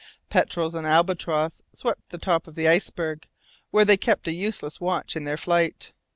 Petrels and albatross swept the top of the iceberg, where they kept a useless watch in their flight.